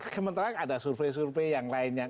sementara ada survei survei yang lainnya